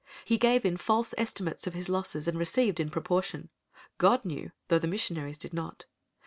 He gave in false estimates of his losses and received in proportion. God knew, though the missionaries did not.